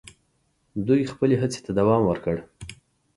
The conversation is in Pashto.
دوی خپلي هڅي ته دوم ورکړ.